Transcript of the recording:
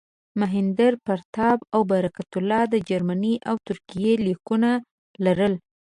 مهیندراپراتاپ او برکت الله د جرمني او ترکیې لیکونه لرل.